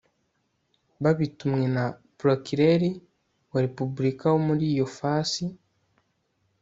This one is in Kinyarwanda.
babitumwe na prokireri wa repubulika wo muri iyo fasi